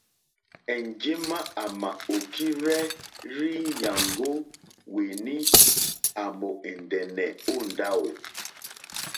Enjema à mà okirzɛ rzii nyàŋgo wèni à mò ɛ̀ndɛ̀nɛ̀ o ndawò.